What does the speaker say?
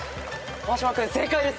川島君正解です。